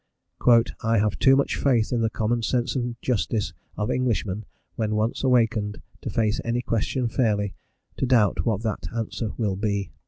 "I have too much faith in the common sense and justice of Englishmen when once awakened to face any question fairly, to doubt what that answer will be."